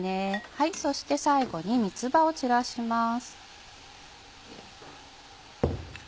そして最後に三つ葉を散らします。